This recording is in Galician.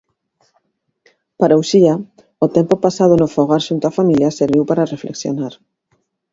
Para Uxía, o tempo pasado no fogar xunto a familia serviu para reflexionar.